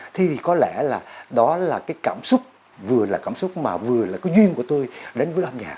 thì có lẽ là đó là cái cảm xúc vừa là cảm xúc mà vừa là cái duyên của tôi đến với âm nhạc